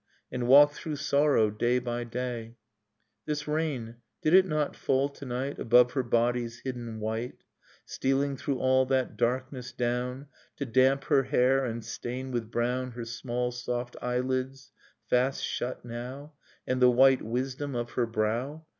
And walked through sorrow day by day ... This rain — did it not fall to night Above her body's hidden white, Stealing through all that darkness down To damp her hair and stain with brown Her small soft eyelids, fast shut now, And the white wisdom of her brow?